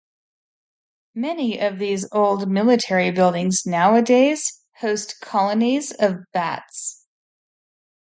Many of these old military buildings nowadays host colonies of bats.